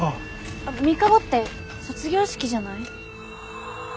あっ３日後って卒業式じゃない？